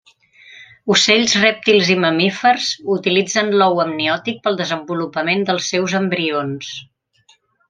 Ocells, rèptils i mamífers utilitzen l'ou amniòtic pel desenvolupament dels seus embrions.